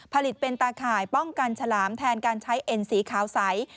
ผลิตเป็นตาข่ายป้องกันฉลามแทนการใช้เอ็นสีขาวใส